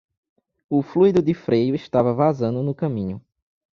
O fluido de freio estava vazando no caminho.